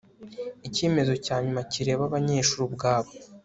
icyemezo cya nyuma kireba abanyeshuri ubwabo